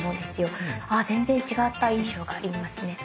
全然違った印象がありますね。